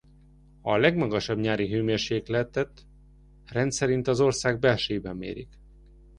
A legmagasabb nyári hőmérsékletet rendszerint az ország belsejében mérik.